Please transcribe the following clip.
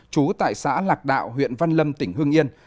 trú tại xã lạc đạo huyện văn lâm tỉnh hương yên